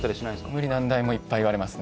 無理難題もいっぱい言われますね。